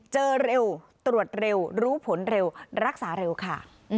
เจอเร็วตรวจเร็วรู้ผลเร็วรักษาเร็วค่ะ